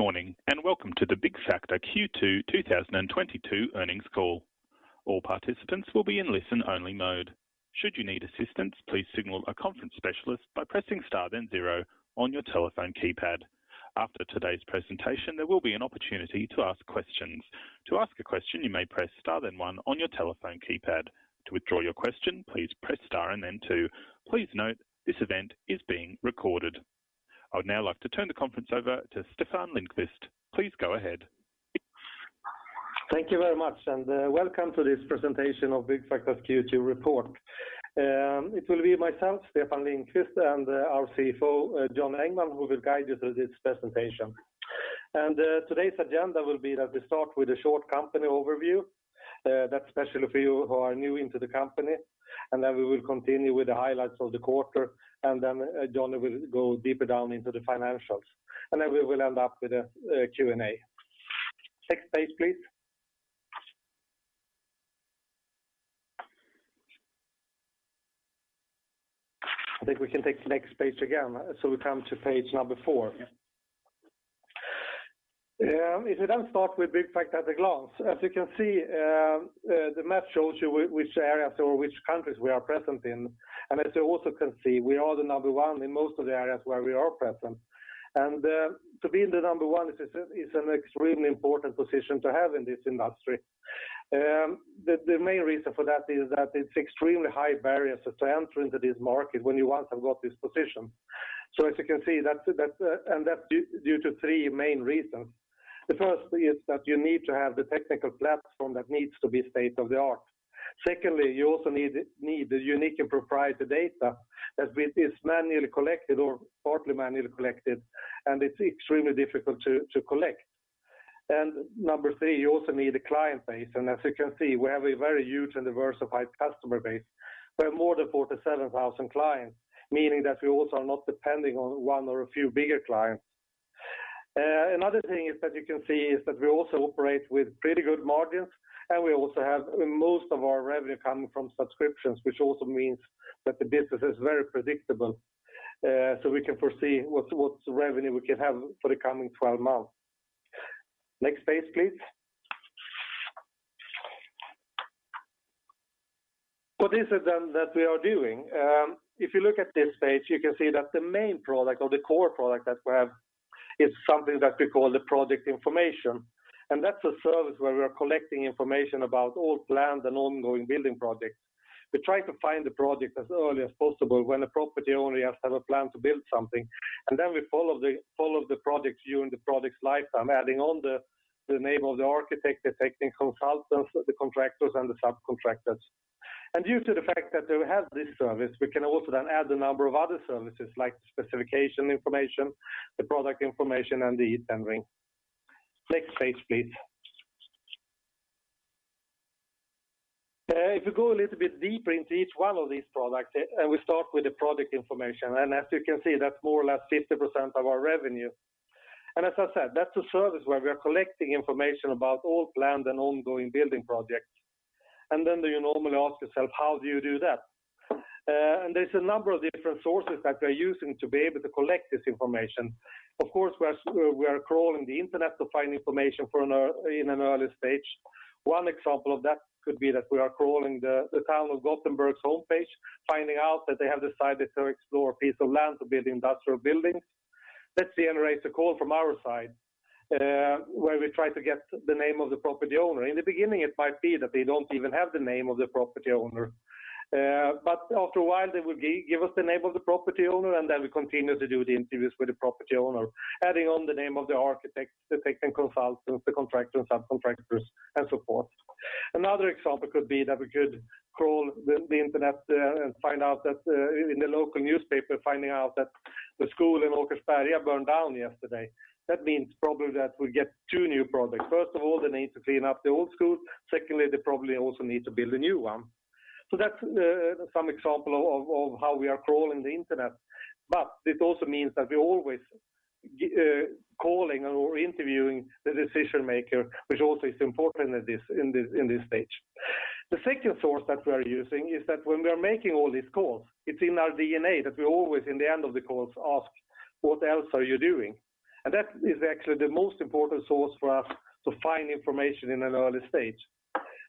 Good morning, and welcome to the Byggfakta Q2 2022 earnings call. All participants will be in listen-only mode. Should you need assistance, please signal a conference specialist by pressing star then zero on your telephone keypad. After today's presentation, there will be an opportunity to ask questions. To ask a question, you may press star then one on your telephone keypad. To withdraw your question, please press star and then two. Please note, this event is being recorded. I would now like to turn the conference over to Stefan Lindqvist. Please go ahead. Thank you very much. Welcome to this presentation of Byggfakta's Q2 report. It will be myself, Stefan Lindqvist, and our CFO, John Engman, who will guide you through this presentation. Today's agenda will be that we start with a short company overview, that's especially for you who are new to the company. We will continue with the highlights of the quarter, and then John will go deeper down into the financials. We will end up with a Q&A. Next page, please. I think we can take next page again, so we come to Page four. If we then start with Byggfakta at a glance. As you can see, the map shows you which areas or which countries we are present in. As you also can see, we are the number one in most of the areas where we are present. To be the number one is an extremely important position to have in this industry. The main reason for that is that it's extremely high barriers to enter into this market when you once have got this position. As you can see, that's due to three main reasons. The first is that you need to have the technical platform that needs to be state-of-the-art. Secondly, you also need the unique and proprietary data that is manually collected or partly manually collected, and it's extremely difficult to collect. Number three, you also need a client base. As you can see, we have a very huge and diversified customer base. We have more than 47,000 clients, meaning that we also are not depending on one or a few bigger clients. Another thing is that you can see is that we also operate with pretty good margins, and we also have most of our revenue coming from subscriptions, which also means that the business is very predictable. We can foresee what's revenue we can have for the coming 12 months. Next page, please. This is then that we are doing. If you look at this page, you can see that the main product or the core product that we have is something that we call the product information. That's a service where we are collecting information about all planned and ongoing building projects. We try to find the project as early as possible when the property owner has to have a plan to build something. We follow the project during the project's lifetime, adding on the name of the architect, the technical consultants, the contractors, and the subcontractors. Due to the fact that we have this service, we can also then add a number of other services like specification information, the product information, and the e-Tendering. Next page, please. If you go a little bit deeper into each one of these products, and we start with the product information. As you can see, that's more or less 50% of our revenue. As I said, that's a service where we are collecting information about all planned and ongoing building projects. Then you normally ask yourself, "How do you do that?" There's a number of different sources that we're using to be able to collect this information. Of course, we are crawling the internet to find information in an early stage. One example of that could be that we are crawling the town of Gothenburg's homepage, finding out that they have decided to explore a piece of land to build industrial buildings. That generates a call from our side, where we try to get the name of the property owner. In the beginning, it might be that they don't even have the name of the property owner. After a while, they will give us the name of the property owner, and then we continue to do the interviews with the property owner, adding on the name of the architects, the technical consultants, the contractors, subcontractors, and so forth. Another example could be that we could crawl the internet and find out that in the local newspaper, finding out that the school in Åkersberga burned down yesterday. That means probably that we get two new projects. First of all, they need to clean up the old school. Secondly, they probably also need to build a new one. That's some example of how we are crawling the internet. This also means that we always calling or interviewing the decision maker, which also is important in this stage. The second source that we are using is that when we are making all these calls, it's in our DNA that we always in the end of the calls ask, "What else are you doing?" That is actually the most important source for us to find information in an early stage.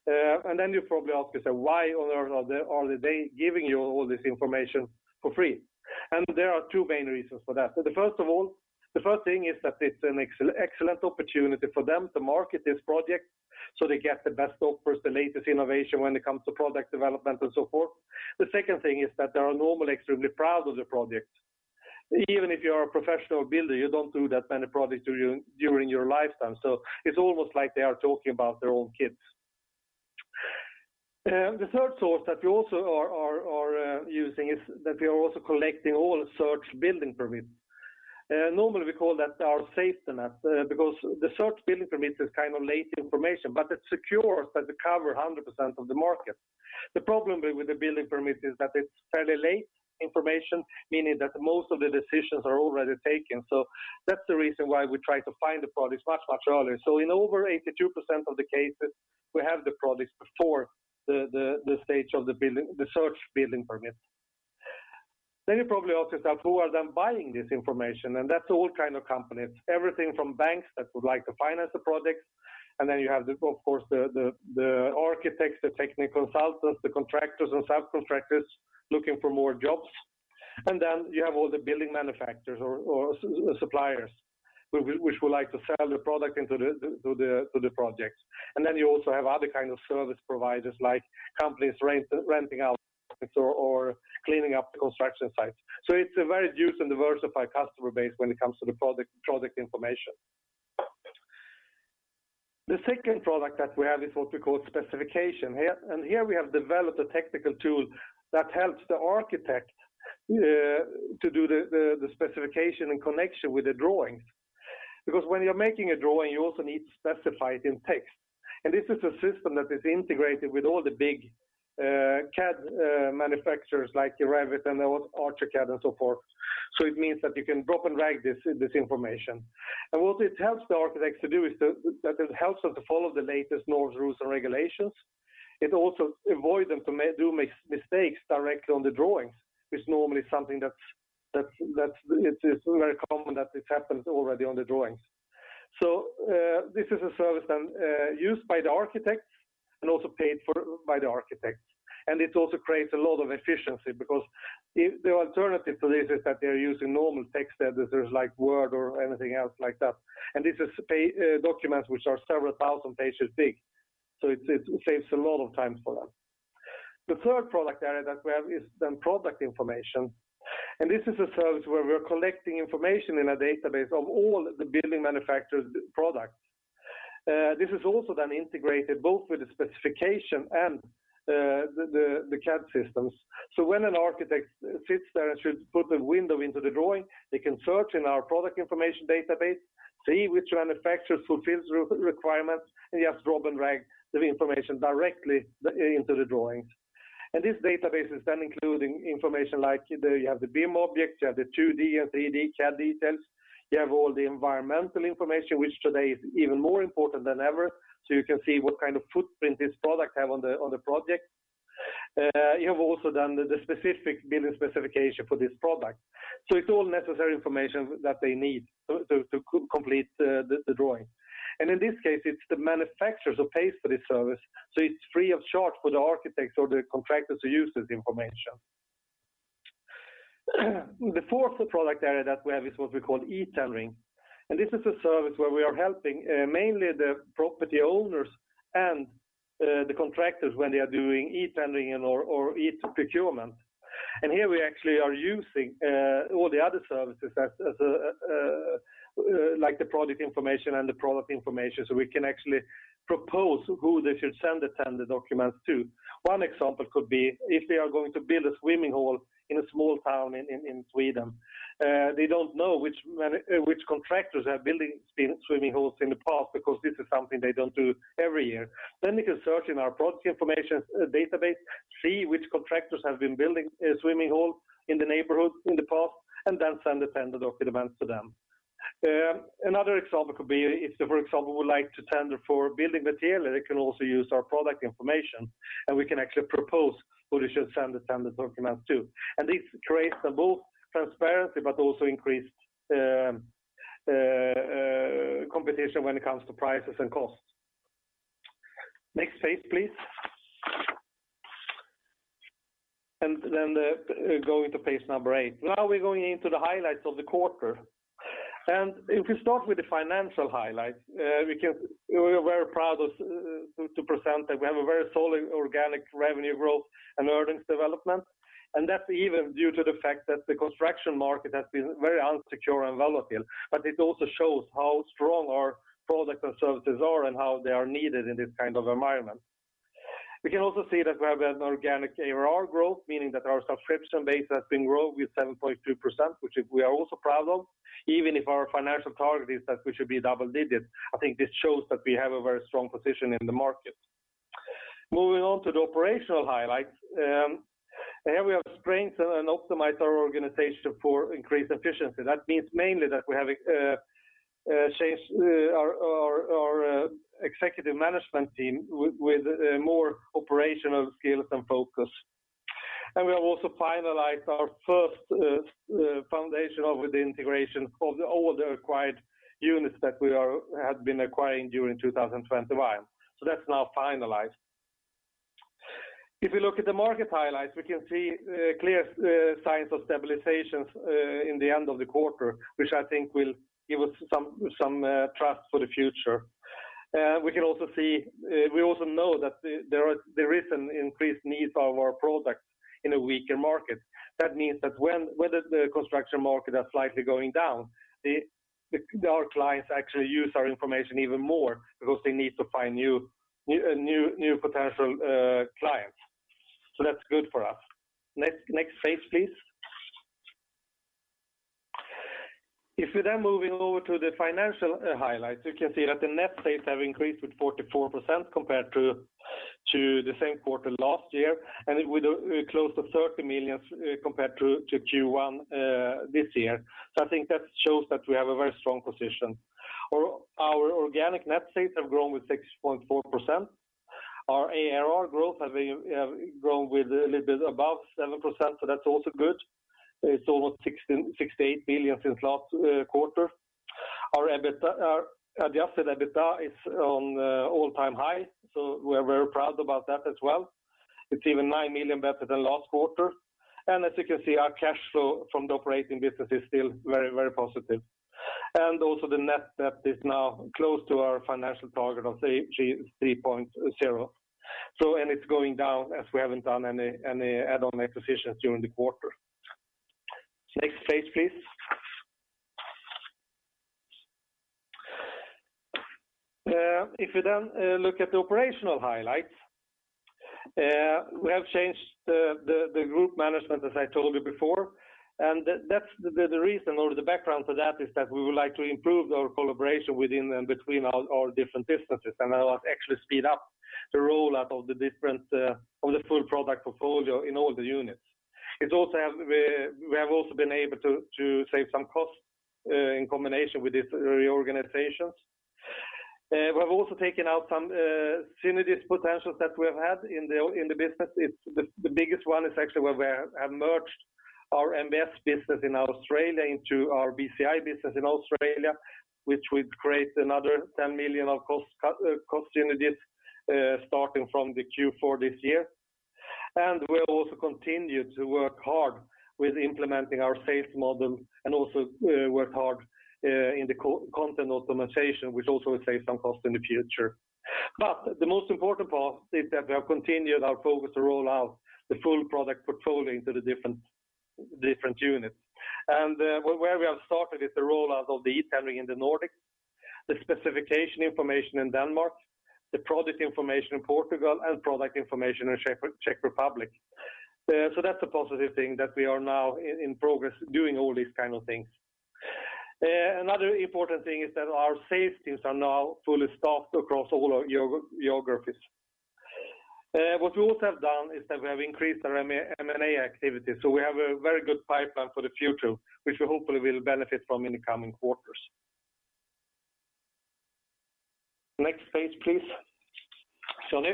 Then you probably ask yourself, why on earth are they giving you all this information for free? There are two main reasons for that. The first thing is that it's an excellent opportunity for them to market this project, so they get the best offers, the latest innovation when it comes to product development, and so forth. The second thing is that they are normally extremely proud of the project. Even if you are a professional builder, you don't do that many projects during your lifetime. It's almost like they are talking about their own kids. The third source that we also are using is that we are also collecting all searched building permits. Normally we call that our safety net, because the searched building permits is kind of late information, but it secures that we cover 100% of the market. The problem with the building permits is that it's fairly late information, meaning that most of the decisions are already taken. That's the reason why we try to find the projects much, much earlier. In over 82% of the cases, we have the projects before the stage of the searched building permit. You probably ask yourself who are then buying this information? That's all kind of companies, everything from banks that would like to finance the projects. You have, of course, the architects, the technical consultants, the contractors and subcontractors looking for more jobs. You have all the building manufacturers or suppliers which would like to sell their product into the projects. You also have other kind of service providers like companies renting out or cleaning up construction sites. It's a very diverse and diversified customer base when it comes to the product information. The second product that we have is what we call specification. Here and here we have developed a technical tool that helps the architect to do the specification in connection with the drawings. Because when you're making a drawing, you also need to specify it in text. This is a system that is integrated with all the big CAD manufacturers like Revit and ARCHICAD and so forth. It means that you can drop and drag this information. What it helps the architects to do is that it helps them to follow the latest norms, rules, and regulations. It also avoids them to make mistakes directly on the drawings, which normally is something that's very common that this happens already on the drawings. This is a service then used by the architects and also paid for by the architects. It also creates a lot of efficiency because if the alternative to this is that they're using normal text editors like Word or anything else like that, and these are documents which are several thousand pages big. It saves a lot of time for them. The third product area that we have is then product information, and this is a service where we're collecting information in a database of all the building manufacturers' products. This is also then integrated both with the specification and the CAD systems. When an architect sits there and should put the window into the drawing, they can search in our product information database, see which manufacturers fulfill their requirements, and just drop and drag the information directly into the drawings. This database is then including information like the, you have the BIM objects, you have the 2D and 3D CAD details, you have all the environmental information, which today is even more important than ever. You can see what kind of footprint this product have on the project. You have also the specific building Specification for this product. It's all necessary information that they need to complete the drawing. In this case, it's the manufacturers who pays for this service, so it's free of charge for the architects or the contractors to use this information. The fourth product area that we have is what we call e-Tendering. This is a service where we are helping mainly the property owners and the contractors when they are doing e-Tendering or eProcurement. Here we actually are using all the other services as a like the Project information and the product information, so we can actually propose who they should send the tender documents to. One example could be if they are going to build a swimming hall in a small town in Sweden. They don't know which contractors have built swimming halls in the past because this is something they don't do every year. They can search in our Project Information database, see which contractors have been building swimming halls in the neighborhood in the past, and then send the tender documents to them. Another example could be if, for example, we would like to tender for building material. They can also use our Product Information, and we can actually propose who they should send the tender documents to. This creates both transparency, but also increased competition when it comes to prices and costs. Next page, please. Go into Page eight. Now we're going into the highlights of the quarter. If we start with the financial highlights, we are very proud of to present that we have a very solid organic revenue growth and earnings development. That's even due to the fact that the construction market has been very insecure and volatile. It also shows how strong our products and services are and how they are needed in this kind of environment. We can also see that we have an organic ARR growth, meaning that our subscription base has been growing with 7.2%, which we are also proud of, even if our financial target is that we should be double digits. I think this shows that we have a very strong position in the market. Moving on to the operational highlights, here we have strengthened and optimized our organization for increased efficiency. That means mainly that we have changed our executive management team with more operational skills and focus. We have also finalized our first foundation of the integration of all the acquired units that we had been acquiring during 2021. That's now finalized. If you look at the market highlights, we can see clear signs of stabilization in the end of the quarter, which I think will give us some trust for the future. We also know that there is an increased need of our products in a weaker market. That means that whether the construction market are slightly going down, our clients actually use our information even more because they need to find new potential clients. That's good for us. Next page, please. If we then moving over to the financial highlights, you can see that the net sales have increased with 44% compared to the same quarter last year, and with close to 30 million compared to Q1 this year. I think that shows that we have a very strong position. Our organic net sales have grown with 6.4%. Our ARR growth have grown with a little bit above 7%, so that's also good. It's almost 68 million since last quarter. Our EBITDA, our adjusted EBITDA is on all-time high, so we're very proud about that as well. It's even 9 million better than last quarter. As you can see, our cash flow from the operating business is still very, very positive. Also the net debt is now close to our financial target of 3.0%. It's going down as we haven't done any add-on acquisitions during the quarter. Next page, please. If you then look at the operational highlights, we have changed the group management as I told you before. That's the reason or the background for that is that we would like to improve our collaboration within and between our different businesses, and that will actually speed up the rollout of the full product portfolio in all the units. We have also been able to save some costs in combination with this reorganization. We have also taken out some synergy potentials that we have had in the business. The biggest one is actually where we have merged our MBS business in Australia into our BCI business in Australia, which will create another 10 million of cost synergies starting from the Q4 this year. We have also continued to work hard with implementing our sales model and also work hard in the content optimization, which also will save some cost in the future. The most important part is that we have continued our focus to roll out the full product portfolio into the different units. Where we have started is the rollout of the e-Tendering in the Nordics, the specification information in Denmark, the Product Information in Portugal, and Product Information in Czech Republic. That's a positive thing that we are now in progress doing all these kind of things. Another important thing is that our sales teams are now fully staffed across all our geographies. What we also have done is that we have increased our M&A activity, so we have a very good pipeline for the future, which we hopefully will benefit from in the coming quarters. Next page, please. Johnny?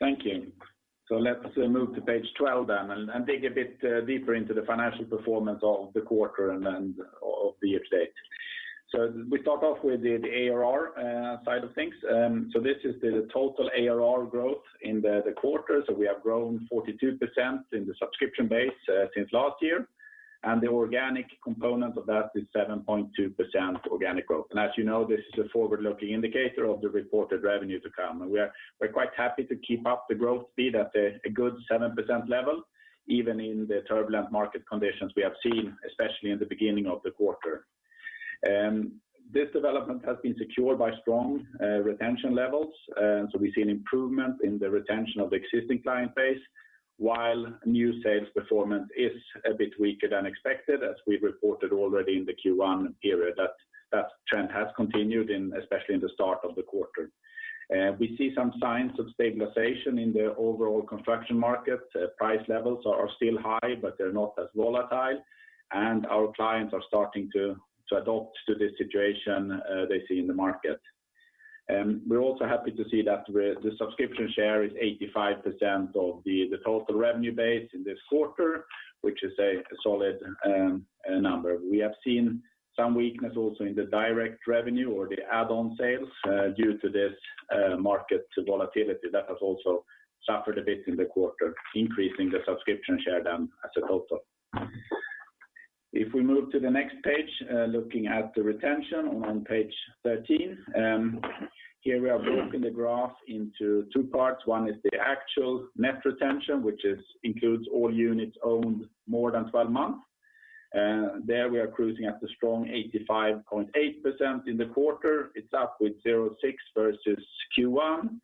Thank you. Let's move to Page 12 then and dig a bit deeper into the financial performance of the quarter and then of the year-to-date. We start off with the ARR side of things. This is the total ARR growth in the quarter. We have grown 42% in the subscription base since last year. The organic component of that is 7.2% organic growth. As you know, this is a forward-looking indicator of the reported revenue to come. We're quite happy to keep up the growth speed at a good 7% level, even in the turbulent market conditions we have seen, especially in the beginning of the quarter. This development has been secured by strong retention levels. We've seen improvement in the retention of the existing client base, while new sales performance is a bit weaker than expected, as we reported already in the Q1 period, that trend has continued, especially in the start of the quarter. We see some signs of stabilization in the overall construction market. Price levels are still high, but they're not as volatile. Our clients are starting to adapt to this situation they see in the market. We're also happy to see that the subscription share is 85% of the total revenue base in this quarter, which is a solid number. We have seen some weakness also in the direct revenue or the add-on sales due to this market volatility that has also suffered a bit in the quarter, increasing the subscription share then as a total. If we move to the next page, looking at the retention on Page 13. Here we have broken the graph into two parts. One is the actual net retention, which includes all units owned more than 12 months. There we are cruising at a strong 85.8% in the quarter. It's up with 0.6% versus Q1.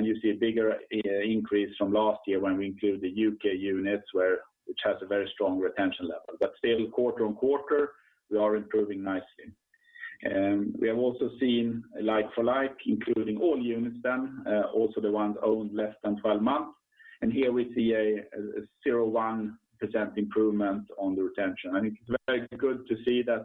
You see a bigger increase from last year when we include the U.K. units where which has a very strong retention level. Still quarter-on-quarter, we are improving nicely. We have also seen a like-for-like, including all units then, also the ones owned less than 12 months. Here we see a 0.1% improvement on the retention. It's very good to see that,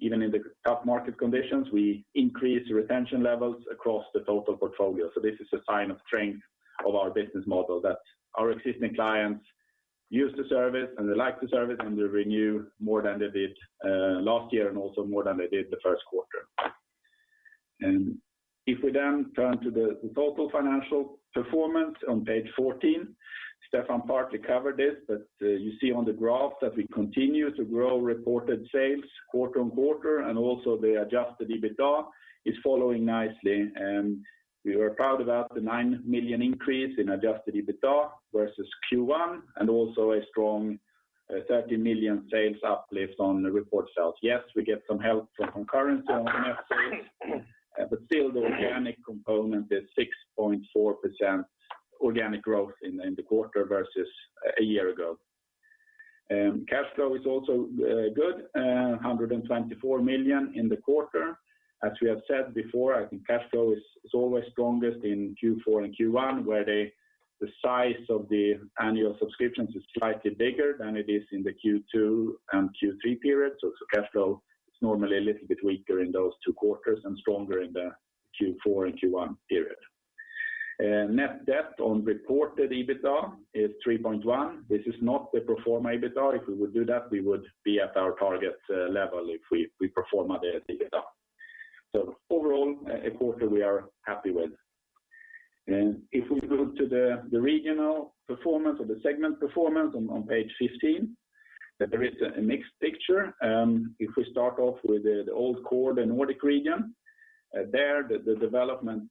even in the tough market conditions, we increase retention levels across the total portfolio. This is a sign of strength of our business model, that our existing clients use the service, and they like the service, and they renew more than they did last year and also more than they did the first quarter. If we then turn to the total financial performance on Page 14, Stefan partly covered this, but you see on the graph that we continue to grow reported sales quarter-on-quarter and also the adjusted EBITDA is following nicely. We are proud about the 9 million increase in adjusted EBITDA versus Q1 and also a strong 30 million sales uplift on the reported sales. Yes, we get some help from currency on the net sales, but still the organic component is 6.4% organic growth in the quarter versus a year ago. Cash flow is also good, 124 million in the quarter. As we have said before, I think cash flow is always strongest in Q4 and Q1, where the size of the annual subscriptions is slightly bigger than it is in the Q2 and Q3 periods. Cash flow is normally a little bit weaker in those two quarters and stronger in the Q4 and Q1 period. Net debt on reported EBITDA is 3.1%. This is not the pro forma EBITDA. If we would do that, we would be at our target level if we pro forma the EBITDA. Overall, a quarter we are happy with. If we go to the regional performance or the segment performance on Page 15, that there is a mixed picture. If we start off with the old core, the Nordic region, there the development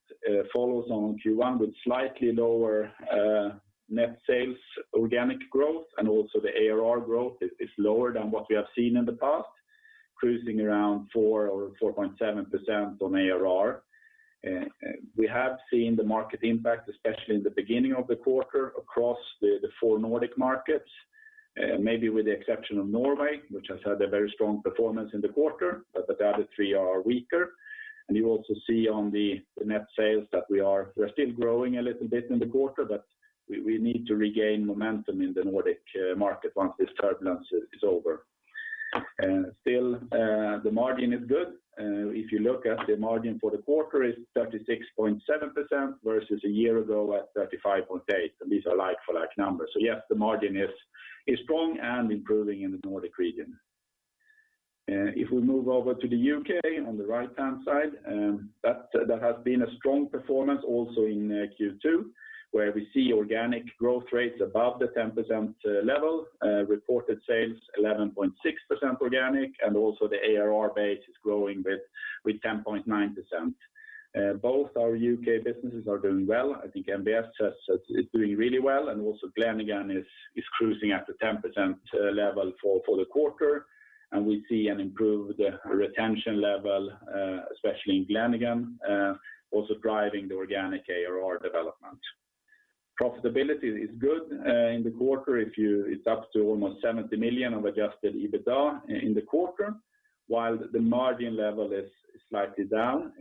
follows on Q1 with slightly lower net sales organic growth, and also the ARR growth is lower than what we have seen in the past, cruising around 4% or 4.7% on ARR. We have seen the market impact, especially in the beginning of the quarter across the four Nordic markets, maybe with the exception of Norway, which has had a very strong performance in the quarter, but the other three are weaker. You also see on the net sales that we're still growing a little bit in the quarter, but we need to regain momentum in the Nordic market once this turbulence is over. Still, the margin is good. If you look at the margin for the quarter is 36.7% versus a year ago at 35.8%, and these are like-for-like numbers. Yes, the margin is strong and improving in the Nordic region. If we move over to the U.K. on the right-hand side, there has been a strong performance also in Q2, where we see organic growth rates above the 10% level, reported sales 11.6% organic, and also the ARR base is growing with 10.9%. Both our U.K. businesses are doing well. I think NBS is doing really well, and also Glenigan is cruising at the 10% level for the quarter. We see an improved retention level, especially in Glenigan, also driving the organic ARR development. Profitability is good in the quarter. It's up to almost 70 million of adjusted EBITDA in the quarter, while the margin level is slightly down.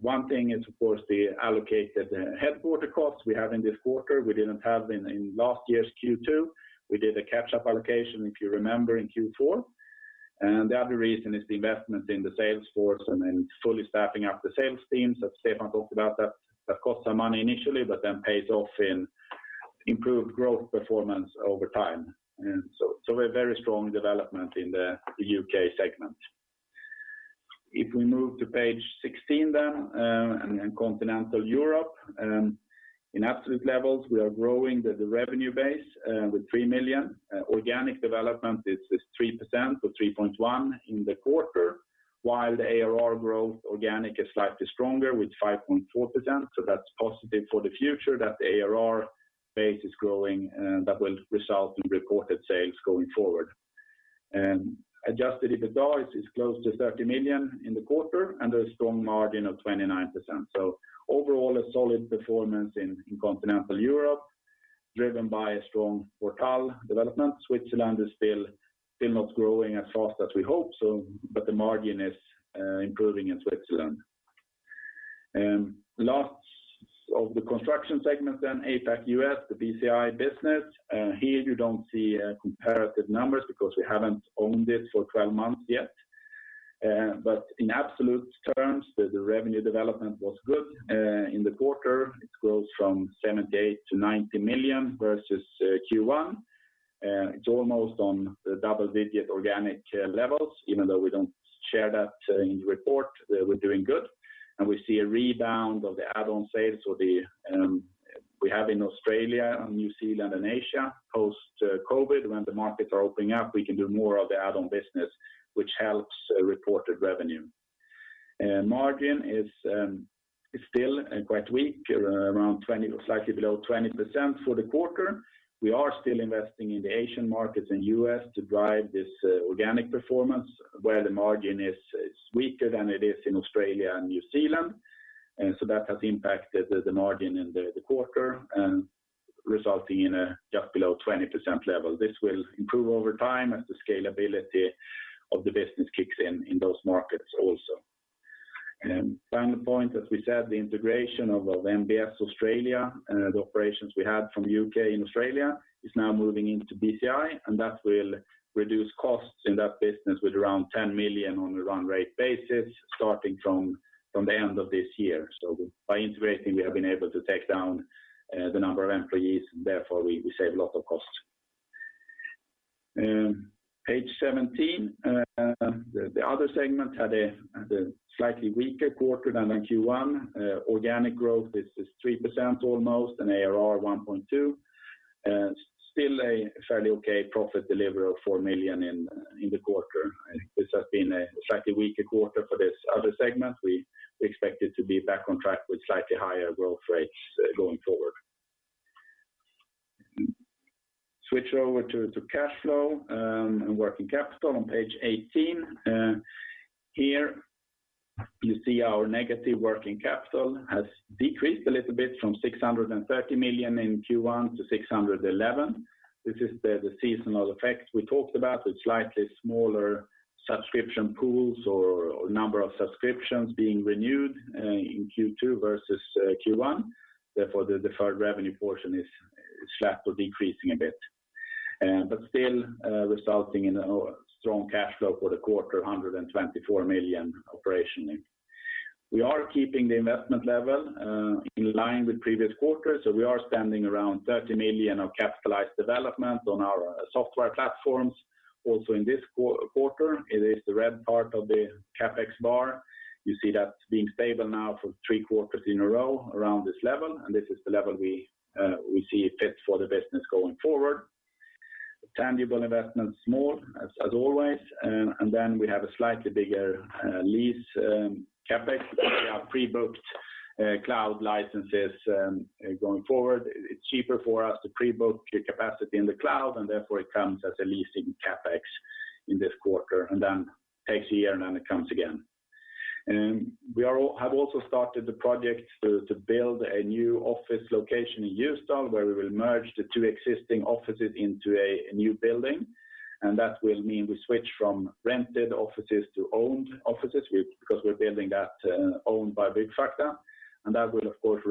One thing is, of course, the allocated headquarter costs we have in this quarter we didn't have in last year's Q2. We did a catch-up allocation, if you remember, in Q4. The other reason is the investment in the Salesforce and fully staffing up the sales teams that Stefan talked about that cost some money initially, but then pays off in improved growth performance over time. A very strong development in the UK segment. If we move to Page 16 then, continental Europe, in absolute levels, we are growing the revenue base with 3 million. Organic development is 3% or 3.1% in the quarter, while the ARR growth organic is slightly stronger with 5.4%. That's positive for the future that the ARR base is growing, that will result in reported sales going forward. Adjusted EBITDA is close to 30 million in the quarter and a strong margin of 29%. Overall, a solid performance in continental Europe, driven by a strong Portugal development. Switzerland is still not growing as fast as we hope, but the margin is improving in Switzerland. Last of the construction segment, then APAC, U.S., the BCI business. Here you don't see comparative numbers because we haven't owned it for 12 months yet. But in absolute terms, the revenue development was good in the quarter. It grows from 78 million to 90 million versus Q1. It's almost on the double-digit organic levels, even though we don't share that in the report. We're doing good. We see a rebound of the add-on sales or we have in Australia and New Zealand and Asia post-COVID. When the markets are opening up, we can do more of the add-on business, which helps reported revenue. Margin is still quite weak around 20% or slightly below 20% for the quarter. We are still investing in the Asian markets and U.S. to drive this organic performance, where the margin is weaker than it is in Australia and New Zealand. That has impacted the margin in the quarter, resulting in a just below 20% level. This will improve over time as the scalability of the business kicks in in those markets also. Final point, as we said, the integration of NBS Australia and the operations we had from U.K. and Australia is now moving into BCI, and that will reduce costs in that business with around 10 million on a run rate basis, starting from the end of this year. By integrating, we have been able to take down the number of employees, therefore, we save a lot of costs. Page 17, the other segment had a slightly weaker quarter than in Q1. Organic growth is 3% almost, and ARR 1.2. Still a fairly okay profit delivery of 4 million in the quarter. This has been a slightly weaker quarter for this other segment. We expect it to be back on track with slightly higher growth rates going forward. Switch over to cash flow and working capital on Page 18. Here you see our negative working capital has decreased a little bit from 630 million in Q1 to 611 million. This is the seasonal effect we talked about, the slightly smaller subscription pools or number of subscriptions being renewed in Q2 versus Q1. Therefore, the deferred revenue portion is slightly decreasing a bit. But still, resulting in a strong cash flow for the quarter, 124 million operationally. We are keeping the investment level in line with previous quarters. We are spending around 30 million of capitalized development on our software platforms. Also in this quarter, it is the red part of the CapEx bar. You see that being stable now for three quarters in a row around this level, and this is the level we see fit for the business going forward. Tangible investments small, as always. Then we have a slightly bigger lease CapEx because we have pre-booked cloud licenses going forward. It's cheaper for us to pre-book capacity in the cloud, and therefore it comes as a leasing CapEx in this quarter, and then takes a year, and then it comes again. We have also started the project to build a new office location in Helsingborg, where we will merge the two existing offices into a new building. That will mean we switch from rented offices to owned offices because we're building that owned by Byggfakta. That will of course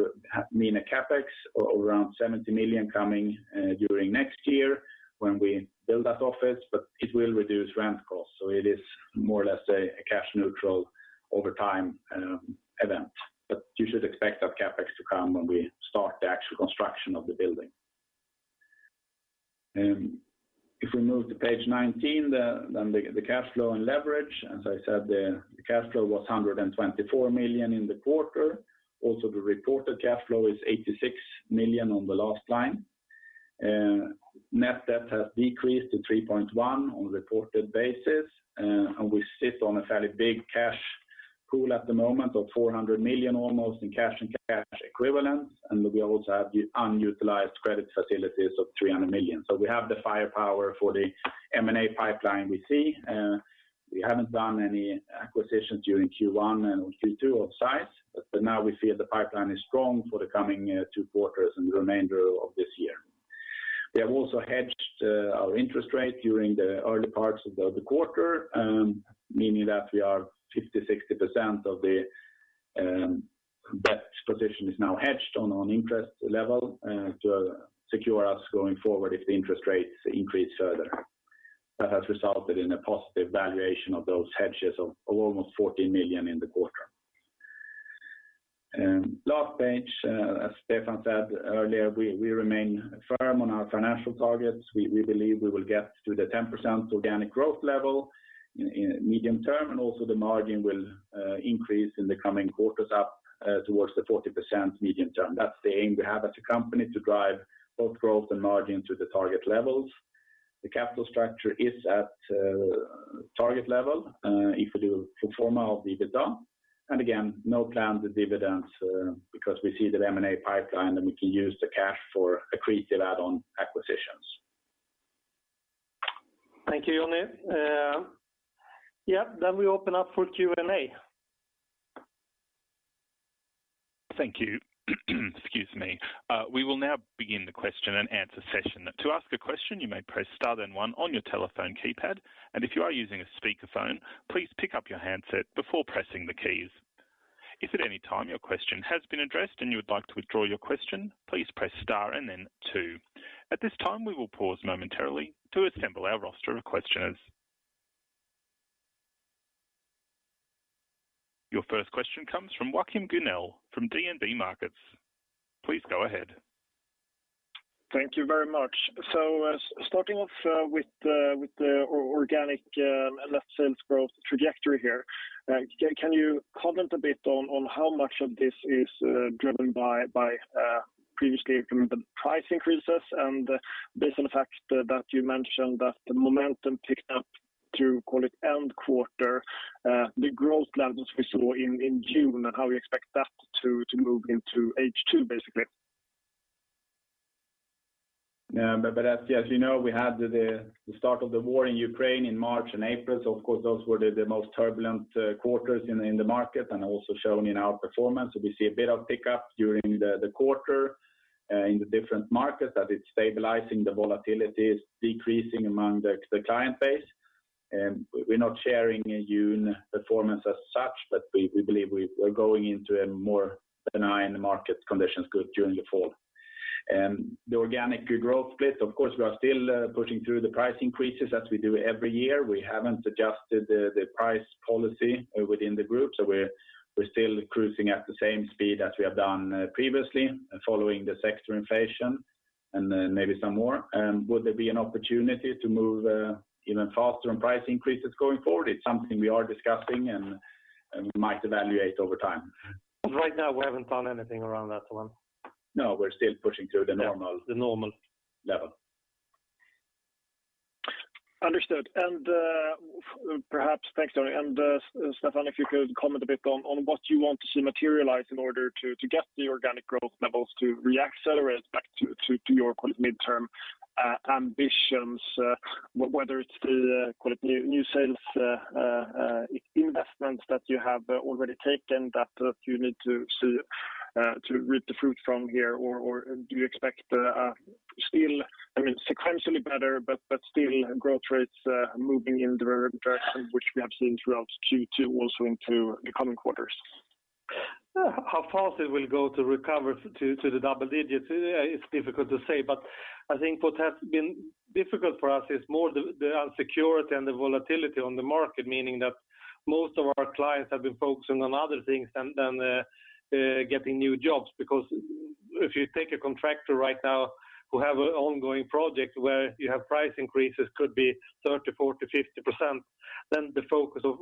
mean a CapEx of around 70 million coming during next year when we build that office. It will reduce rent costs. It is more or less a cash neutral over time event. You should expect that CapEx to come when we start the actual construction of the building. If we move to Page 19, the cash flow and leverage. As I said, the cash flow was 124 million in the quarter. Also, the reported cash flow is 86 million on the last line. Net debt has decreased to 3.1% on reported basis. We sit on a fairly big cash pool at the moment of almost 400 million in cash and cash equivalents. We also have the unutilized credit facilities of 300 million. We have the firepower for the M&A pipeline we see. We haven't done any acquisitions during Q1 and Q2 of size, but now we see the pipeline is strong for the coming two quarters and the remainder of this year. We have also hedged our interest rate during the early parts of the quarter, meaning that 50%-60% of the debt position is now hedged on an interest level to secure us going forward if the interest rates increase further. That has resulted in a positive valuation of those hedges of almost 14 million in the quarter. Last page, as Stefan said earlier, we remain firm on our financial targets. We believe we will get to the 10% organic growth level in medium term, and also the margin will increase in the coming quarters up towards the 40% medium term. That's the aim we have as a company to drive both growth and margin to the target levels. The capital structure is at target level, if you do pro forma of the EBITDA. Again, no plans of dividends, because we see the M&A pipeline, and we can use the cash for accretive add-on acquisitions. Thank you, Johnny. Yeah. We open up for Q&A. Thank you. Excuse me. We will now begin the question-and-answer session. To ask a question, you may press star then one on your telephone keypad. If you are using a speakerphone, please pick up your handset before pressing the keys. If at any time your question has been addressed and you would like to withdraw your question, please press star and then two. At this time, we will pause momentarily to assemble our roster of questioners. Your first question comes from Joachim Gunell from DNB Markets. Please go ahead. Thank you very much. Starting off with the organic net sales growth trajectory here, can you comment a bit on how much of this is driven by previously implemented price increases? Based on the fact that you mentioned that the momentum picked up to call it end quarter, the growth levels we saw in June, how you expect that to move into H2, basically. Yeah. As you know, we had the start of the war in Ukraine in March and April. Of course, those were the most turbulent quarters in the market and also shown in our performance. We see a bit of pickup during the quarter in the different markets as it's stabilizing, the volatility is decreasing among the client base. We're not sharing a June performance as such, but we believe we're going into a more benign market conditions going during the fall. The organic growth split, of course, we are still pushing through the price increases as we do every year. We haven't adjusted the price policy within the group, so we're still cruising at the same speed as we have done previously, following the sector inflation and then maybe some more. Would there be an opportunity to move even faster on price increases going forward? It's something we are discussing and might evaluate over time. Right now, we haven't done anything around that one? No, we're still pushing through the normal. The normal. Level. Understood. Perhaps, thanks, Johnny. Stefan, if you could comment a bit on what you want to see materialize in order to get the organic growth levels to reaccelerate back to your call it midterm ambitions. Whether it's the call it new sales investments that you have already taken that you need to see to reap the fruit from here? Or do you expect still, I mean, sequentially better, but still growth rates moving in the direction which we have seen throughout Q2 also into the coming quarters? How fast it will go to recover to the double digits? It's difficult to say, but I think what has been difficult for us is more the uncertainty and the volatility on the market, meaning that most of our clients have been focusing on other things and then getting new jobs. Because if you take a contractor right now who have an ongoing project where you have price increases could be 30%, 40%, 50%, then the focus of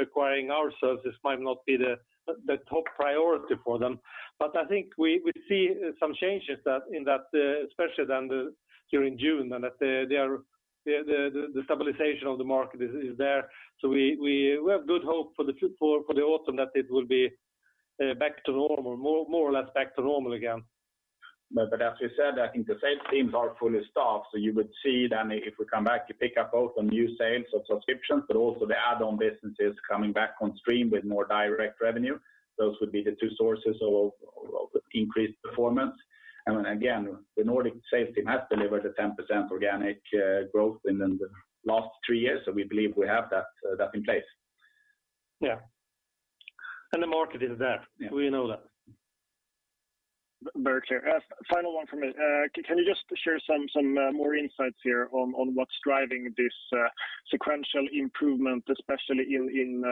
acquiring our services might not be the top priority for them. I think we see some changes in that, especially during June, and that the stabilization of the market is there. We have good hope for the autumn that it will be back to normal, more or less back to normal again. As you said, I think the sales teams are fully staffed, so you would see then if we come back to pick up both on new sales or subscriptions, but also the add-on businesses coming back on stream with more direct revenue, those would be the two sources of increased performance. I mean, again, the Nordic sales team has delivered a 10% organic growth in the last three years, so we believe we have that in place. Yeah. The market is there. Yeah. We know that. Very clear. Final one from me. Can you just share some more insights here on what's driving this sequential improvement, especially in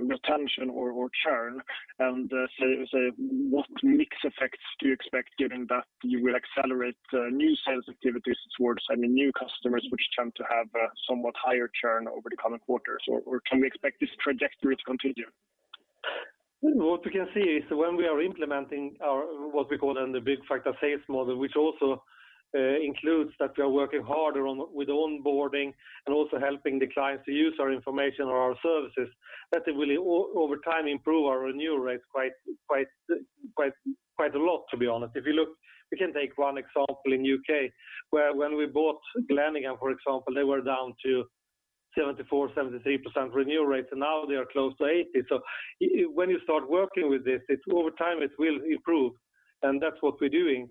retention or churn? Say what mix effects do you expect given that you will accelerate new sales activities towards adding new customers which tend to have somewhat higher churn over the coming quarters or can we expect this trajectory to continue? What we can see is when we are implementing our, what we call then the Byggfakta Group's sales model, which also includes that we are working harder with onboarding and also helping the clients to use our information or our services, that it will over time improve our renewal rates quite a lot, to be honest. If you look, we can take one example in U.K., where when we bought Glenigan, for example, they were down to 74%, 73% renewal rate, and now they are close to 80%. When you start working with this, it over time, it will improve, and that's what we're doing.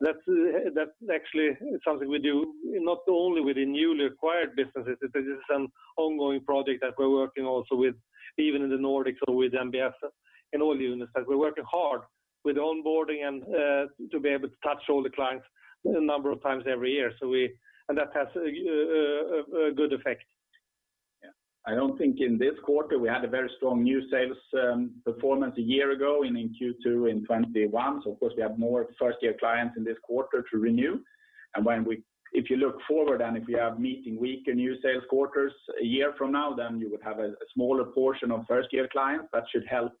That's actually something we do not only with the newly acquired businesses. This is an ongoing project that we're working also with even in the Nordics or with NBS in all the units, that we're working hard with onboarding and to be able to touch all the clients a number of times every year. That has a good effect. I don't think in this quarter we had a very strong new sales performance a year ago in Q2 in 2021. Of course, we have more first-year clients in this quarter to renew. If you look forward and if you have meeting week and new sales quarters a year from now, then you would have a smaller portion of first-year clients. That should help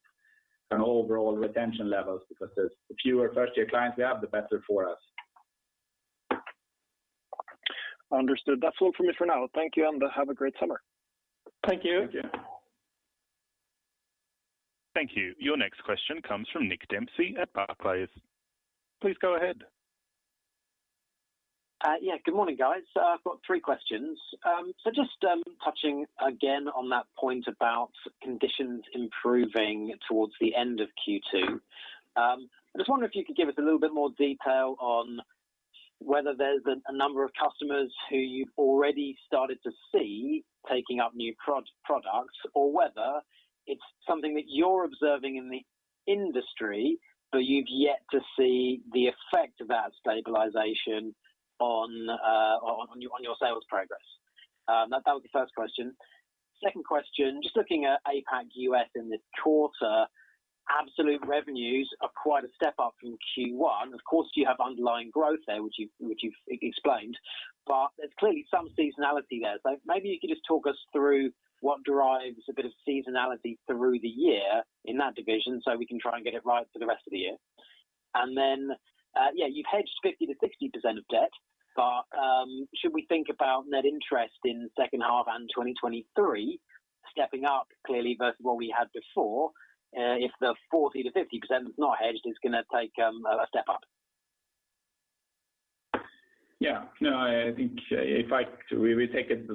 our overall retention levels because the fewer first-year clients we have, the better for us. Understood. That's all from me for now. Thank you, and have a great summer. Thank you. Thank you. Thank you. Your next question comes from Nick Dempsey at Barclays. Please go ahead. Yeah, good morning, guys. I've got three questions. Just touching again on that point about conditions improving towards the end of Q2, I just wonder if you could give us a little bit more detail on whether there's a number of customers who you've already started to see taking up new products or whether it's something that you're observing in the industry, but you've yet to see the effect of that stabilization on your sales progress. That was the first question. Second question, just looking at APAC US in the quarter, absolute revenues are quite a step up from Q1. Of course, you have underlying growth there, which you've explained, but there's clearly some seasonality there. Maybe you could just talk us through what drives a bit of seasonality through the year in that division, so we can try and get it right for the rest of the year. Yeah, you've hedged 50%-60% of debt, but should we think about net interest in the second half and 2023 stepping up clearly versus what we had before, if the 40%-50% that's not hedged is gonna take a step up? No, I think we will take it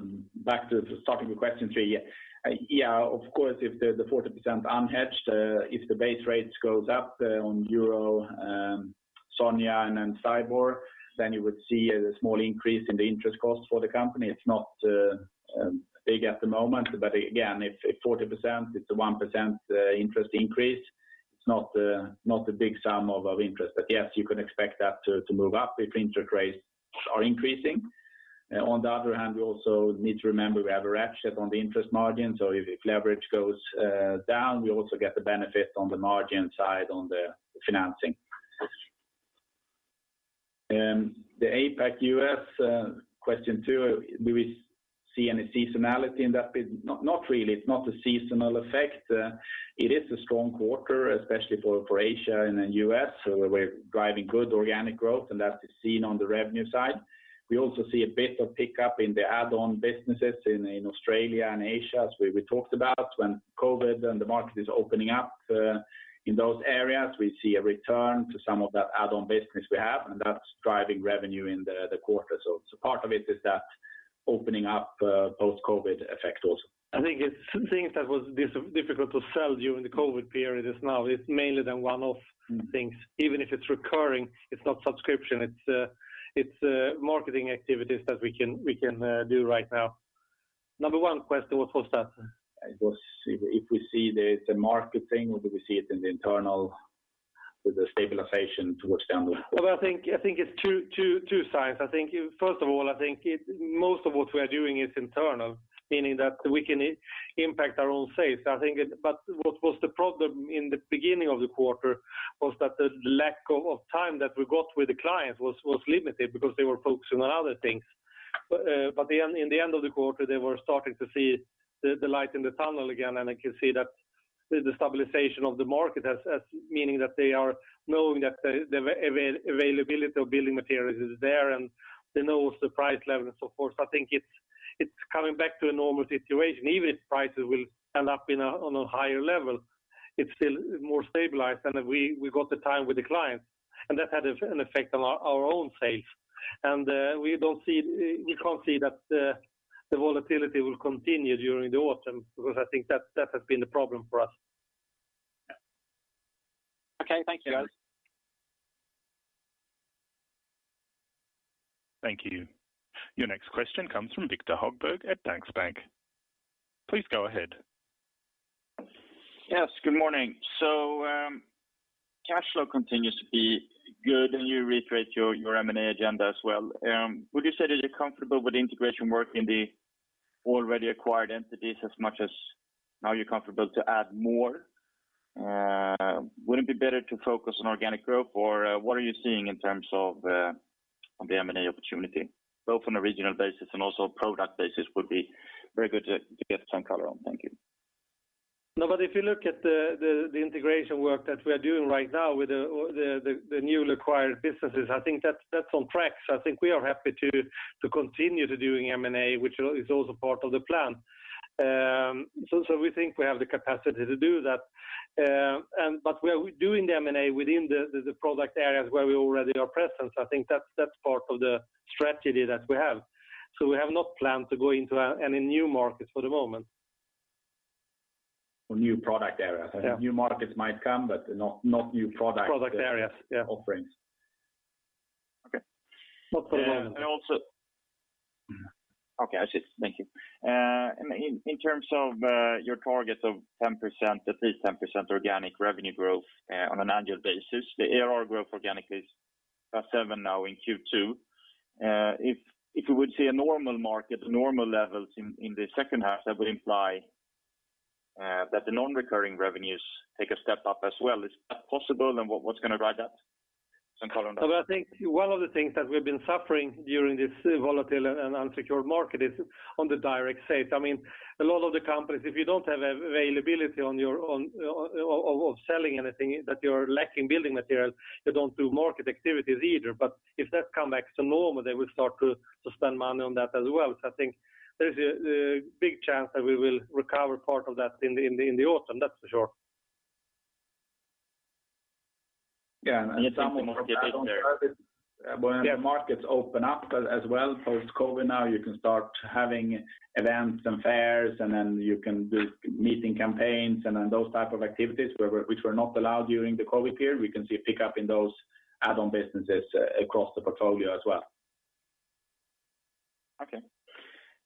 back to starting with question three. Of course, if the 40% unhedged, if the base rates goes up on euro, SONIA and then STIBOR, then you would see a small increase in the interest cost for the company. It's not big at the moment, but again, if 40%, it's a 1% interest increase, it's not a big sum of interest. Yes, you can expect that to move up if interest rates are increasing. On the other hand, we also need to remember we have a ratchet on the interest margin. If leverage goes down, we also get the benefit on the margin side on the financing. The APAC US question two, do we see any seasonality in that business? Not really. It's not a seasonal effect. It is a strong quarter, especially for Asia and then US. We're driving good organic growth, and that is seen on the revenue side. We also see a bit of pickup in the add-on businesses in Australia and Asia, as we talked about when COVID and the market is opening up in those areas, we see a return to some of that add-on business we have, and that's driving revenue in the quarter. Part of it is that opening up post-COVID effect also. I think it's some things that was difficult to sell during the COVID period. Now it's mainly the one-off things. Even if it's recurring, it's not subscription. It's marketing activities that we can do right now. Number one question was for Stefan. It was if we see there's a market thing or do we see it in the internal, the stabilization towards downward? Well, I think it's two sides. I think, first of all, most of what we are doing is internal, meaning that we can impact our own sales. What was the problem in the beginning of the quarter was that the lack of time that we got with the clients was limited because they were focusing on other things. In the end of the quarter, they were starting to see the light in the tunnel again, and I can see that the stabilization of the market has meaning that they are knowing that the availability of building materials is there, and they know the price level and so forth. I think it's coming back to a normal situation. Even if prices will end up on a higher level, it's still more stabilized, and we got the time with the clients, and that had an effect on our own sales. We can't see that the volatility will continue during the autumn because I think that has been the problem for us. Okay. Thank you, guys. Yeah. Thank you. Your next question comes from Viktor Högberg at Danske Bank. Please go ahead. Yes, good morning. Cash flow continues to be good, and you reiterate your M&A agenda as well. Would you say that you're comfortable with the integration work in the already acquired entities as much as now you're comfortable to add more? Would it be better to focus on organic growth? Or what are you seeing in terms of on the M&A opportunity, both on a regional basis and also a product basis would be very good to get some color on. Thank you. No, if you look at the integration work that we are doing right now with the newly acquired businesses, I think that's on track. I think we are happy to continue to doing M&A, which is also part of the plan. We think we have the capacity to do that. We are doing the M&A within the product areas where we already are present. I think that's part of the strategy that we have. We have not planned to go into any new markets for the moment. New product areas. Yeah. I think new markets might come, but not new products. Product areas. Yeah. offerings. Okay. Not for the moment. Also. Mm-hmm. Okay, I see. Thank you. In terms of your targets of 10%, at least 10% organic revenue growth, on an annual basis, the ARR growth organic is +7% now in Q2. If you would see a normal market, normal levels in the second half, that would imply that the non-recurring revenues take a step up as well. Is that possible, and what's gonna drive that? Some color on that. Well, I think one of the things that we've been suffering during this volatile and unsecured market is on the direct sales. I mean, a lot of the companies, if you don't have availability on your own of selling anything, that you're lacking building materials, you don't do market activities either. If that come back to normal, they will start to spend money on that as well. I think there's a big chance that we will recover part of that in the autumn, that's for sure. Yeah. If someone must get it on there. When the markets open up as well, post-COVID now, you can start having events and fairs, and then you can do meeting campaigns and then those type of activities which were not allowed during the COVID period. We can see a pickup in those add-on businesses across the portfolio as well. Okay.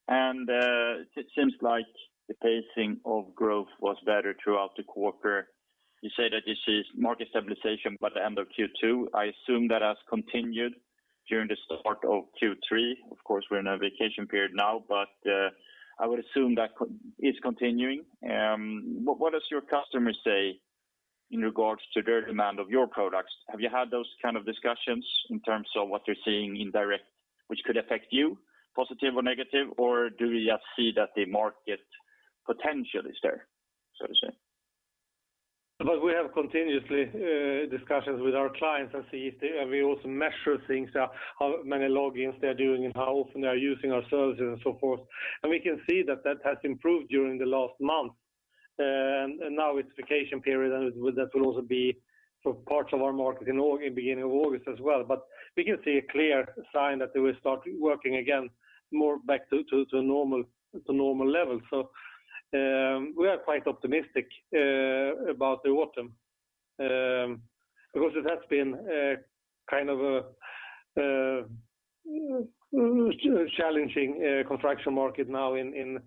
It seems like the pacing of growth was better throughout the quarter. You said that you see market stabilization by the end of Q2. I assume that has continued during the start of Q3. Of course, we're in a vacation period now, but I would assume that is continuing. What does your customers say in regards to their demand of your products? Have you had those kind of discussions in terms of what they're seeing indirectly, which could affect you positive or negative? Do you just see that the market potential is there, so to say? We have continuously discussions with our clients and see if they. We also measure things, how many logins they're doing and how often they are using our services and so forth. We can see that has improved during the last month. Now it's vacation period, and that will also be for parts of our market in beginning of August as well. We can see a clear sign that they will start working again more back to normal levels. We are quite optimistic about the autumn because it has been kind of a challenging construction market now in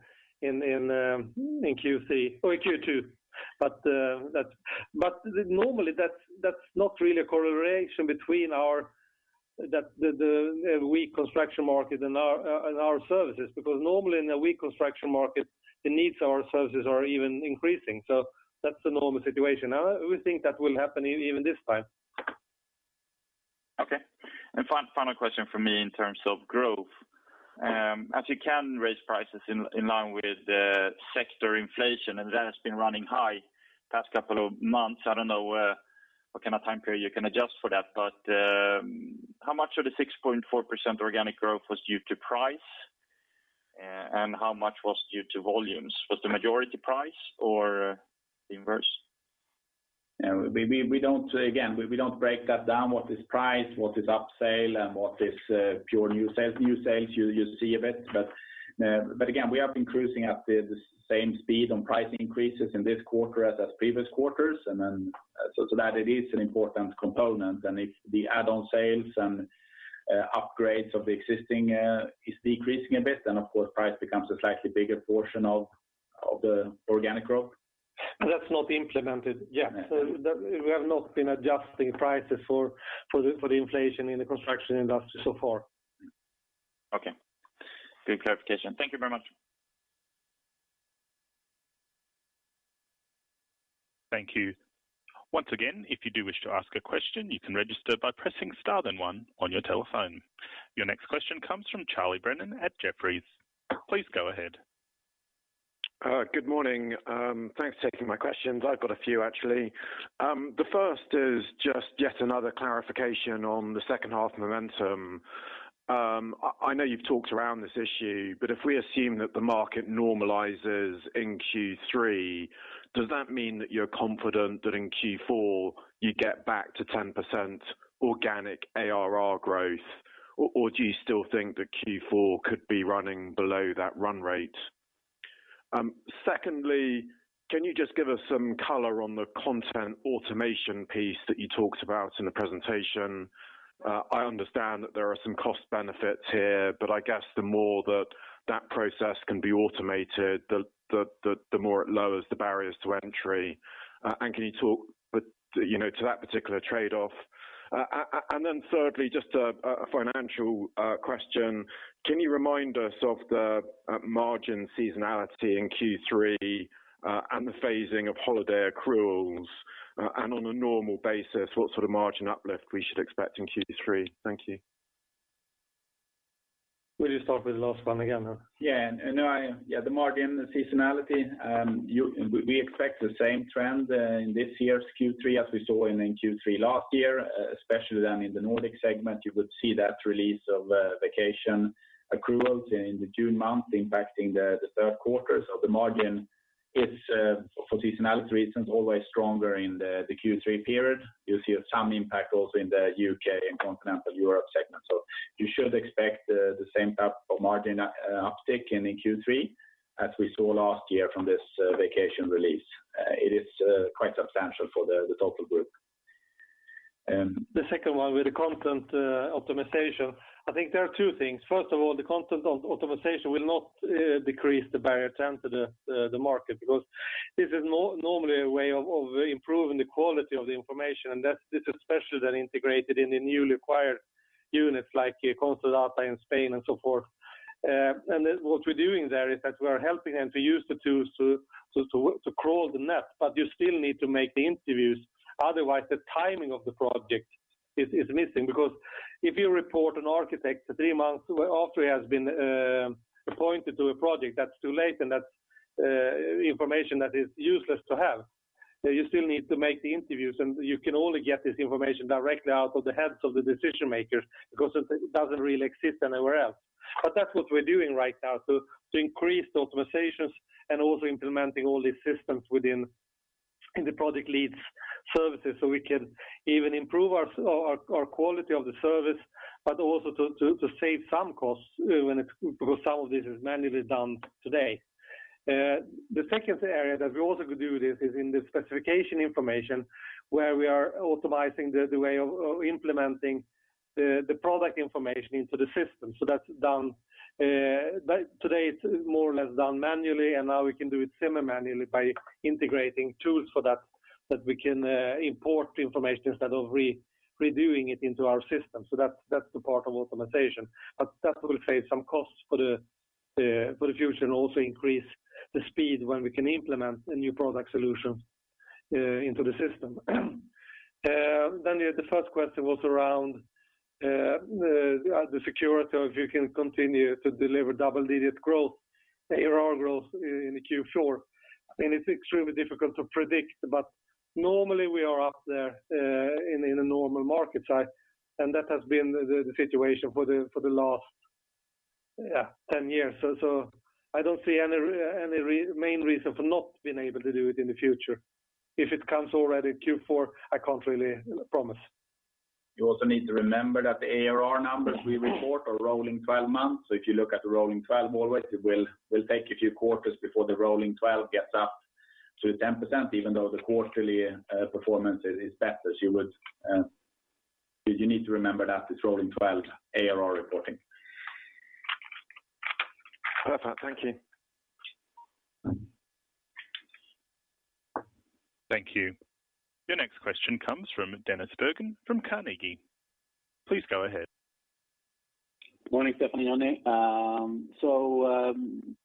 Q3 or Q2. Normally, that's not really a correlation between the weak construction market and our services, because normally in a weak construction market, the needs of our services are even increasing. That's the normal situation. We think that will happen even this time. Okay. Final question for me in terms of growth. As you can raise prices in line with the sector inflation, and that has been running high past couple of months. I don't know what kind of time period you can adjust for that, but how much of the 6.4% organic growth was due to price and how much was due to volumes? Was the majority price or the inverse? We don't break that down, what is price, what is upsale, and what is pure new sales. New sales, you see a bit. Again, we have been cruising at the same speed on price increases in this quarter as previous quarters. That it is an important component. If the add-on sales and upgrades of the existing is decreasing a bit, then of course, price becomes a slightly bigger portion of the organic growth. That's not implemented yet. We have not been adjusting prices for the inflation in the construction industry so far. Okay. Good clarification. Thank you very much. Thank you. Once again, if you do wish to ask a question, you can register by pressing star then one on your telephone. Your next question comes from Charlie Brennan at Jefferies. Please go ahead. Good morning. Thanks for taking my questions. I've got a few, actually. The first is just yet another clarification on the second half momentum. I know you've talked around this issue, but if we assume that the market normalizes in Q3, does that mean that you're confident that in Q4 you get back to 10% organic ARR growth? Or do you still think that Q4 could be running below that run rate? Secondly, can you just give us some color on the content automation piece that you talked about in the presentation? I understand that there are some cost benefits here, but I guess the more that process can be automated, the more it lowers the barriers to entry. Can you talk, you know, to that particular trade-off? Thirdly, just a financial question. Can you remind us of the margin seasonality in Q3 and the phasing of holiday accruals and on a normal basis, what sort of margin uplift we should expect in Q3? Thank you. Will you start with the last one again? The margin seasonality, we expect the same trend in this year's Q3 as we saw in Q3 last year, especially then in the Nordic segment. You would see that release of vacation accruals in the June month impacting the third quarter. The margin is, for seasonality reasons, always stronger in the Q3 period. You'll see some impact also in the U.K. and Continental Europe segment. You should expect the same type of margin uptick in Q3 as we saw last year from this vacation release. It is quite substantial for the total group. The second one with the content optimization, I think there are two things. First of all, the content optimization will not decrease the barrier to enter the market because this is normally a way of improving the quality of the information. That's this especially then integrated in the newly acquired units like Construdata21 in Spain and so forth. What we're doing there is that we're helping them to use the tools to crawl the net, but you still need to make the interviews. Otherwise, the timing of the project is missing. Because if you report an architect three months after he has been appointed to a project that's too late and that's information that is useless to have. You still need to make the interviews, and you can only get this information directly out of the heads of the decision makers because it doesn't really exist anywhere else. That's what we're doing right now to increase the optimizations and also implementing all these systems within the project leads services, so we can even improve our quality of the service, but also to save some costs because some of this is manually done today. The second area that we also could do this is in the specification information, where we are optimizing the way of implementing the product information into the system. That's done. Today, it's more or less done manually, and now we can do it semi-manually by integrating tools for that we can import information instead of re-redoing it into our system. That's the part of optimization. That will save some costs for the future and also increase the speed when we can implement a new product solution into the system. The first question was around the certainty you can continue to deliver double-digit growth, ARR growth in the Q4. I mean, it's extremely difficult to predict, but normally we are up there in a normal market size, and that has been the situation for the last 10 years. I don't see any remaining reason for not being able to do it in the future. If it comes already Q4, I can't really promise. You also need to remember that the ARR numbers we report are rolling twelve months. If you look at the rolling twelve always, it will take a few quarters before the rolling twelve gets up to 10%, even though the quarterly performance is better. You need to remember that it's rolling twelve ARR reporting. Perfect. Thank you. Thank you. Your next question comes from Dennis Berggren from Carnegie. Please go ahead. Morning, Stefan and Johnny.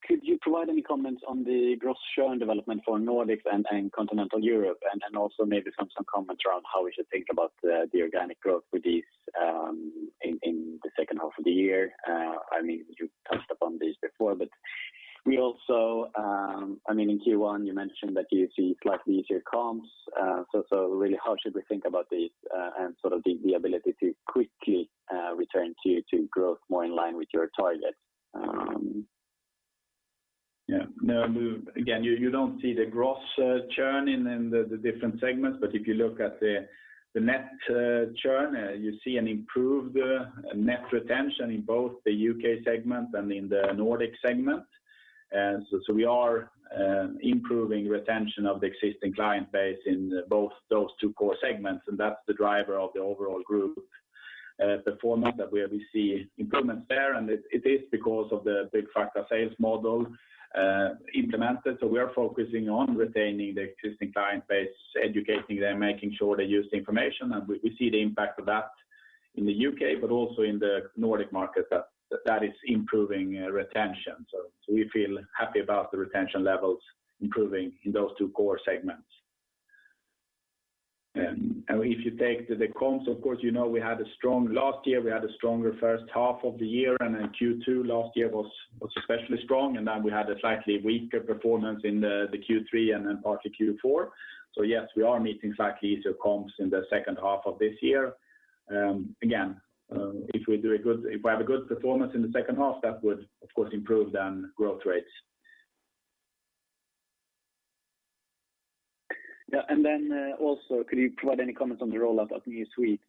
Could you provide any comments on the gross churn development for Nordics and Continental Europe? Also maybe some comments around how we should think about the organic growth with these in the second half of the year. I mean, you touched upon this before, but we also I mean, in Q1, you mentioned that you see slightly easier comps. Really, how should we think about this, and sort of the ability to quickly return to growth more in line with your target? Yeah. No, again, you don't see the gross churn in the different segments. If you look at the net churn, you see an improved net retention in both the UK segment and in the Nordic segment. We are improving retention of the existing client base in both those two core segments, and that's the driver of the overall group. The fact that we're seeing improvements there, and it is because of the Byggfakta Group's sales model implemented. We are focusing on retaining the existing client base, educating them, making sure they use the information. We see the impact of that in the U.K., but also in the Nordic market that is improving retention. We feel happy about the retention levels improving in those two core segments. If you take the comps, of course, you know we had a strong last year. We had a stronger first half of the year, and then Q2 last year was especially strong. We had a slightly weaker performance in the Q3 and then partly Q4. Yes, we are meeting slightly easier comps in the second half of this year. Again, if we have a good performance in the second half, that would, of course, improve then growth rates. Yeah. Also, could you provide any comments on the rollout of new suites,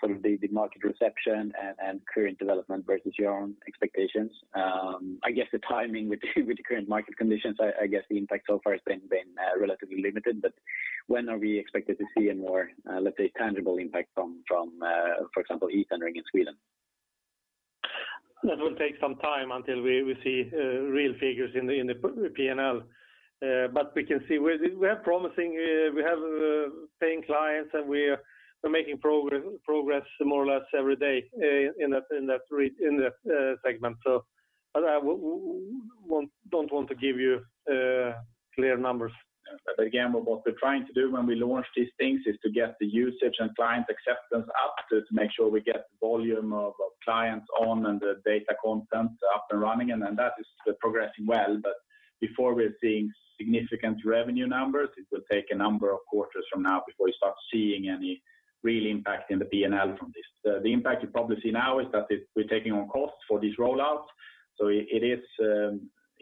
sort of the market reception and current development versus your own expectations? I guess the timing with the current market conditions, I guess the impact so far has been relatively limited. When are we expected to see a more, let's say tangible impact from, for example, e-Tendering in Sweden? That will take some time until we see real figures in the PNL. We can see we have promising paying clients, and we're making progress more or less every day in that segment. I don't want to give you clear numbers. Again, what we're trying to do when we launch these things is to get the usage and client acceptance up to make sure we get volume of clients on and the data content up and running, and then that is progressing well. Before we're seeing significant revenue numbers, it will take a number of quarters from now before we start seeing any real impact in the PNL from this. The impact you probably see now is that we're taking on costs for these rollouts, so it is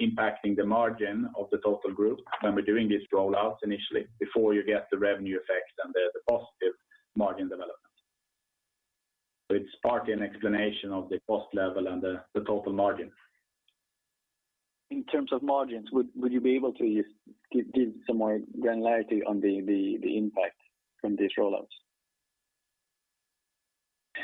impacting the margin of the total group when we're doing these rollouts initially before you get the revenue effect and the positive margin development. It's partly an explanation of the cost level and the total margin. In terms of margins, would you be able to give some more granularity on the impact from these rollouts?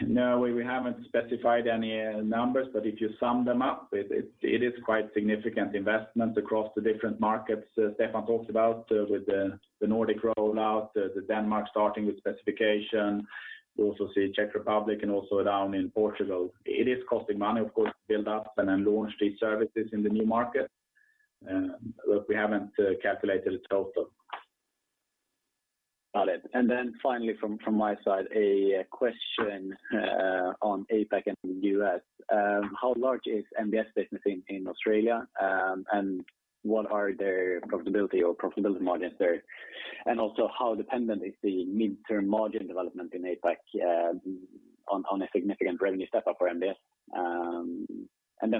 No, we haven't specified any numbers, but if you sum them up, it is quite significant investment across the different markets. Stefan talked about with the Nordic rollout, the Denmark starting with Specification. We also see Czech Republic and also down in Portugal. It is costing money, of course, to build up and then launch these services in the new market. We haven't calculated total. Got it. Finally from my side, a question on APAC and US. How large is NBS business in Australia, and what are their profitability margins there? Also, how dependent is the midterm margin development in APAC on a significant revenue step up for NBS?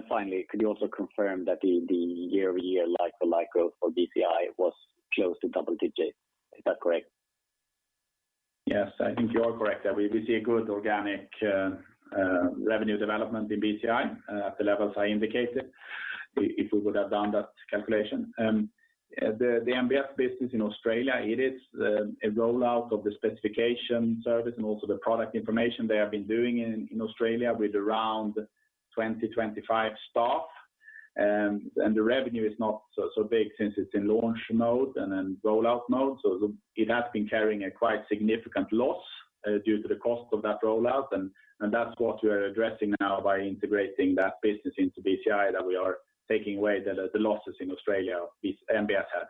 Finally, could you also confirm that the year-over-year like-for-like growth for BCI was close to double digits? Is that correct? Yes, I think you are correct. We see a good organic revenue development in BCI at the levels I indicated if we would have done that calculation. The NBS business in Australia, it is a rollout of the specification service and also the product information they have been doing in Australia with around 25 staff. The revenue is not so big since it's in launch mode and then rollout mode. It has been carrying a quite significant loss due to the cost of that rollout, and that's what we are addressing now by integrating that business into BCI, that we are taking away the losses in Australia with NBS had.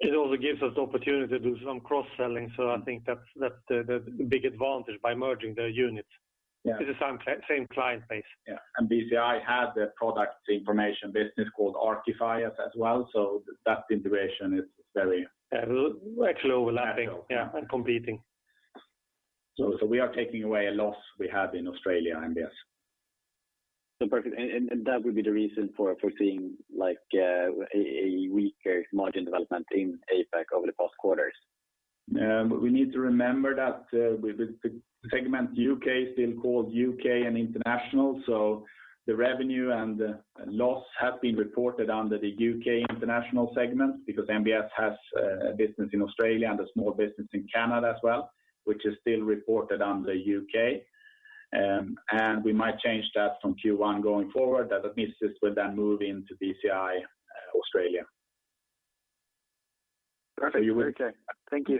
It also gives us the opportunity to do some cross-selling, so I think that's the big advantage by merging the units. Yeah. It's the same client base. Yeah. BCI has a product information business called Archify as well, so that integration is yeah, actually overlapping, yeah, and competing. We are taking away a loss we have in Australia, NBS. Perfect. That would be the reason for seeing like a weaker margin development in APAC over the past quarters. We need to remember that with the segment UK is still called UK and International. The revenue and loss have been reported under the UK and International segment because NBS has a business in Australia and a small business in Canada as well, which is still reported under UK. We might change that from Q1 going forward, that the business will then move into BCI Australia. Perfect. Okay. Thank you.